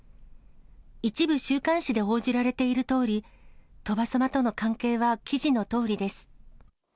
一部、週刊誌で報じられているとおり、鳥羽様との関係は記事のとおりです。